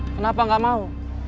kenapa nggak mau